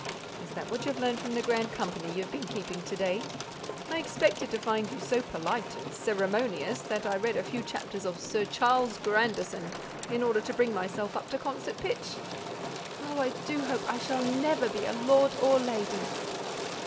"Is that what you've learnt from the grand company you've been keeping to day? I expected to find you so polite and ceremonious, that I read a few chapters of Sir Charles Grandison, in order to bring myself up to concert pitch." "Oh, I do hope I shall never be a lord or a lady."